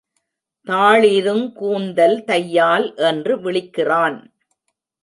தாழிருங் கூந்தல் தையால் என்று விளிக்கிறான்.